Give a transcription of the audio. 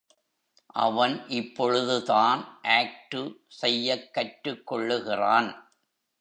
அவன் இப்பொழுதுதான் ஆக்டு செய்யக் கற்றுக்கொள்ளுகிறான்.